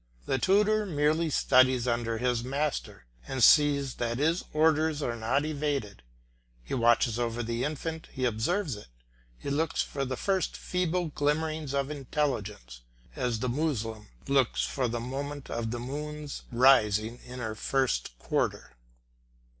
The tutor merely studies under this master, and sees that his orders are not evaded. He watches over the infant, he observes it, he looks for the first feeble glimmering of intelligence, as the Moslem looks for the moment of the moon's rising in her first quarter.